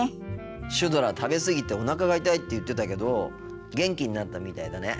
シュドラ食べ過ぎておなかが痛いって言ってたけど元気になったみたいだね。